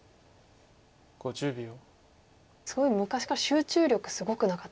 すごい昔から集中力すごくなかったですか？